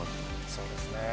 そうですね。